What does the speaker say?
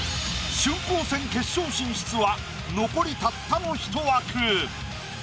春光戦決勝進出は残りたったのひと枠。